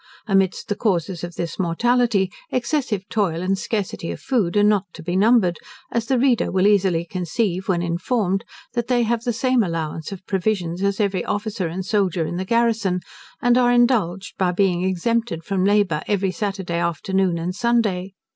Amidst the causes of this mortality, excessive toil and a scarcity of food are not to be numbered, as the reader will easily conceive, when informed, that they have the same allowance of provisions as every officer and soldier in the garrison; and are indulged by being exempted from labour every Saturday afternoon and Sunday.